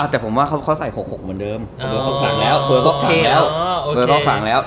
แต่ผมว่าเขาใส่๖๖๖เหมือนเดิมเดี๋ยวเขาขังแล้ว